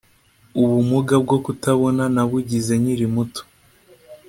ubumuga bwo kutabona nabugize nkiri muto